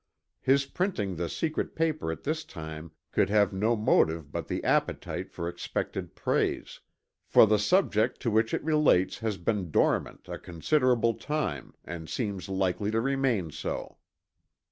His printing the secret paper at this time could have no motive but the appetite for expected praise; for the subject to which it relates has been dormant a considerable time, and seems likely to remain so."